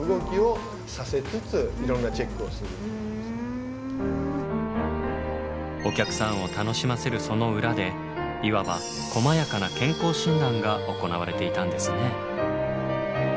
彼らのお客さんを楽しませるその裏でいわばこまやかな健康診断が行われていたんですね。